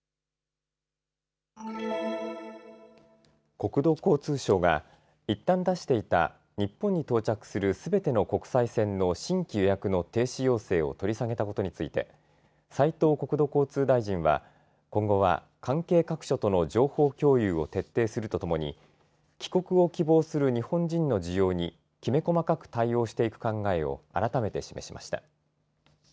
国土交通省がいったん出していた日本に到着するすべての国際線の新規予約の停止要請を取り下げたことについて斉藤国土交通大臣は今後は関係各所との情報共有を徹底するとともに帰国を希望する日本人の需要にきめ細かく対応していく考えを改めて示しました。